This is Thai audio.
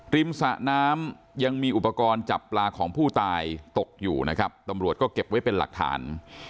สระน้ำยังมีอุปกรณ์จับปลาของผู้ตายตกอยู่นะครับตำรวจก็เก็บไว้เป็นหลักฐาน